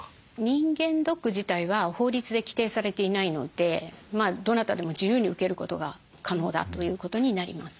人間ドック自体は法律で規定されていないのでどなたでも自由に受けることが可能だということになります。